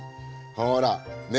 ほらね